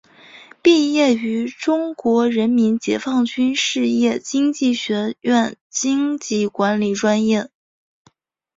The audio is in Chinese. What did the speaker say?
毕业于中国人民解放军军事经济学院经济管理专业。